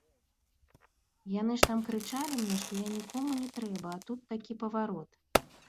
Яны ж там крычалі мне, што я нікому не трэба, а тут такі паварот.